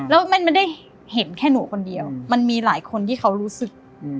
แล้วมันไม่ได้เห็นแค่หนูคนเดียวมันมีหลายคนที่เขารู้สึก